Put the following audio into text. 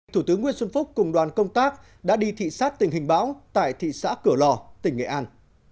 thủ tướng nguyễn xuân phúc cùng đoàn công tác đã đi thị xác tình hình bão tại thị xã cửa lò tỉnh nghệ an